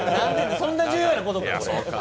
そんな重要なことか。